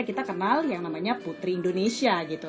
kita kenal yang namanya putri indonesia gitu